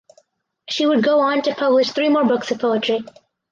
She would go on to publish three more books of poetry.